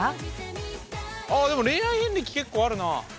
あでも恋愛遍歴結構あるな。